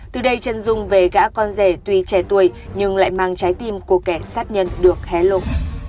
từ đây trân dung về gã con rẻ tuy trẻ tuổi nhưng lại mang trái tim của kẻ sát nhân được hé lộn